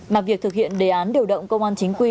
mà việc thực hiện đề án điều động công an chính quy